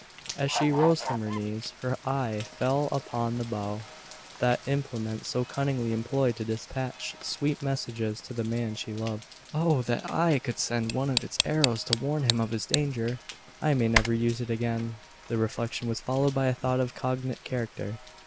As she rose from her knees, her eye fell upon the bow that implement so cunningly employed to despatch sweet messages to the man she loved. "Oh! that I could send one of its arrows to warn him of his danger! I may never use it again!" The reflection was followed by a thought of cognate character.